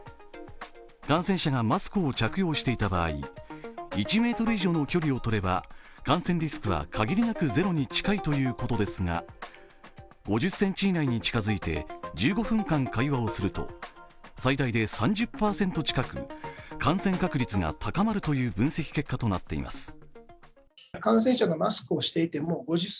感染者がマスクを着用していた場合、１ｍ以上の距離をとれば感染リスクはかぎりなくゼロに近いということですが、５０ｃｍ以内に近づいて１５分間会話をすると最大で３０％近く感染確率が高まるという分析結果となっています。